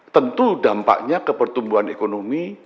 tentu dampaknya ke pertumbuhan ekonomi